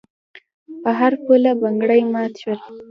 په هر پوله بنګړي مات شول.